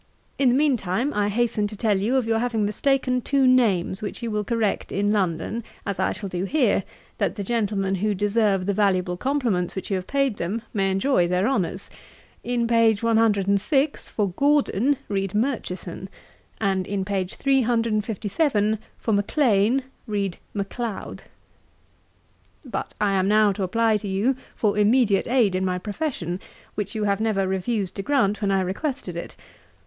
In the mean time, I hasten to tell you of your having mistaken two names, which you will correct in London, as I shall do here, that the gentlemen who deserve the valuable compliments which you have paid them, may enjoy their honours. In page 106, for Gordon read Murchison; and in page 357, for Maclean read Macleod. 'But I am now to apply to you for immediate aid in my profession, which you have never refused to grant when I requested it.